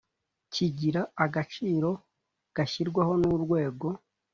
kigira agaciro gashyirwaho n urwego